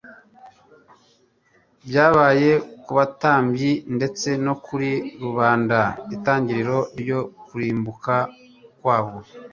byabaye ku batambyi ndetse no kuri rubanda itangiriro ryo kurimbuka kwabo.